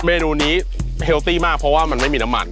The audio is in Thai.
เมนูนี้เฮลตี้มากเพราะว่ามันไม่มีน้ำมัน